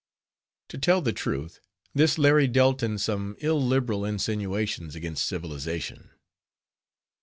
To tell the truth, this Larry dealt in some illiberal insinuations against civilization.